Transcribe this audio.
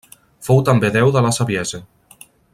Fou també déu de la saviesa.